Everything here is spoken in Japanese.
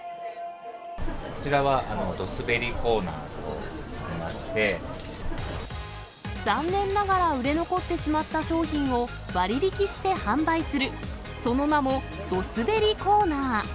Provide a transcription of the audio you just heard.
こちらはドすべりコーナーと残念ながら売れ残ってしまった商品を、割引して販売する、その名も、ドすべりコーナー。